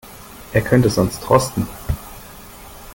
Er könnte sonst rosten.